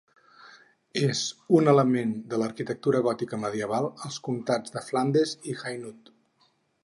És un element de l'arquitectura gòtica medieval als comtats de Flandes i Hainaut.